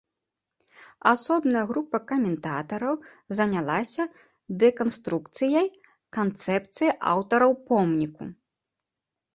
Асобная група каментатараў занялася дэканструкцыяй канцэпцыі аўтараў помніку.